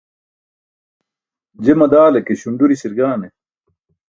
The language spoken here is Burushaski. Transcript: Je madale ke, śunduri sirgaane.